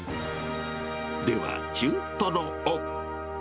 では、中トロを。